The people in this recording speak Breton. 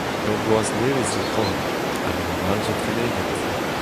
Ur bloaz nevez zo krog, hag unan all zo tremenet.